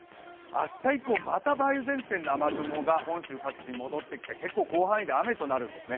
明日以降、また梅雨前線の雨雲が本州各地に戻ってきて結構、広範囲で雨となるんですね。